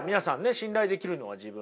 信頼できるのは自分。